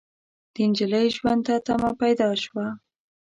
د نجلۍ ژوند ته تمه پيدا شوه.